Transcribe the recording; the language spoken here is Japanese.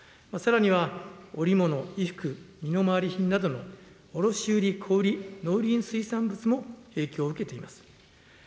さらには織物、衣服、身の回り品などの卸売り、小売り、農林水産物も影響を受けています。